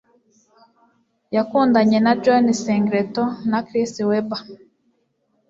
Yakundanye na John Singleton na Chris Webber.